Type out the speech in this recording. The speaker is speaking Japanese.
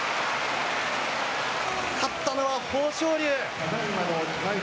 勝ったのは豊昇龍。